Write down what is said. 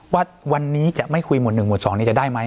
ว่าวันนี้จะไม่คุยหมวด๑หวด๒นี้จะได้ไหม